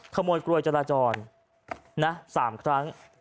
ขโมยกลวยจราจร๓ครั้ง